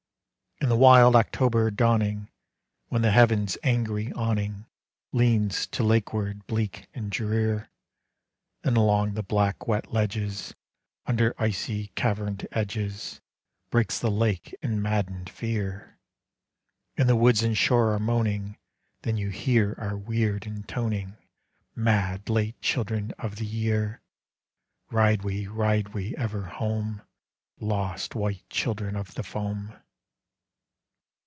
In the wild October dawning, When the heaven's angry awning Leans to lakeward, bleak and drear; And along the black, wet ledges, Under icy, caverned edges, Breaks the lake in maddened fear; And the woods in shore are moaning; Then you hear our weird intoning, Mad, late children of the year; Ride we, ride we, ever home, Lost, white children of the foam.